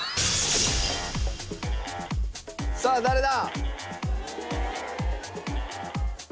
さあ誰だ？